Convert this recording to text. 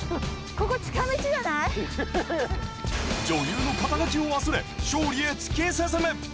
女優の肩書きを忘れ勝利へ突き進む。